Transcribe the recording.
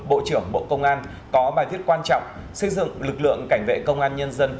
bộ trưởng bộ công an có bài viết quan trọng xây dựng lực lượng cảnh vệ công an nhân dân